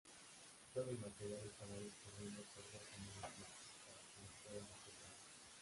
Todo el material estará disponible por dos semanas más, para que lo pueda recuperar.